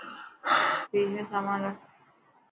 فريج ۾ سامان رک